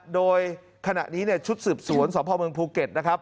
โดยขณะนี้ชุดสืบสวนสมภาพเมืองภูเก็ต